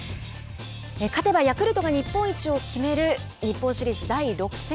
勝てばヤクルトが日本一を決める日本シリーズ第６戦。